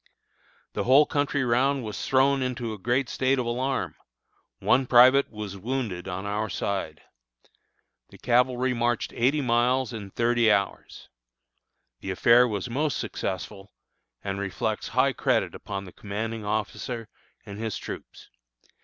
The whole country round was thrown into a great state of alarm. One private was wounded on our side. The cavalry marched eighty miles in thirty hours. The affair was most successful, and reflects high credit upon the commanding officer and his troops.